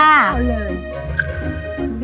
เอาเลย